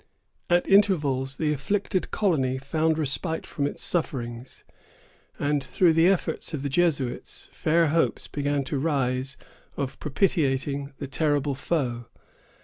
At intervals, the afflicted colony found respite from its sufferings; and, through the efforts of the Jesuits, fair hopes began to rise of propitiating the terrible foe.